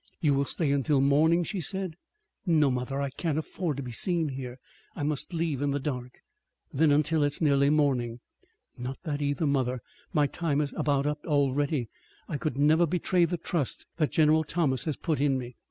"You will stay until morning?" she said. "No, mother. I can't afford to be seen here. I must leave in the dark." "Then until it is nearly morning." "Nor that either, mother. My time is about up already. I could never betray the trust that General Thomas has put in me.